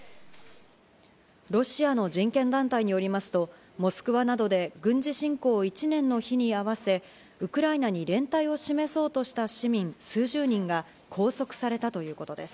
ロシアの人権団体によりますと、モスクワなどで軍事侵攻を１年の日に合わせ、ウクライナに連帯を示そうとした市民数十人が拘束されたということです。